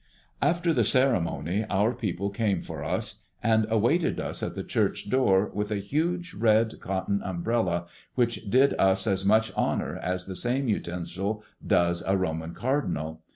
After the ceremony our people came for us and awaited us at the church door with a huge red cotton umbrella, which did us as much honor as the same utensil does a Roman cardinal.